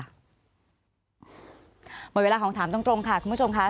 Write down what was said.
หมดเวลาของถามตรงค่ะคุณผู้ชมค่ะ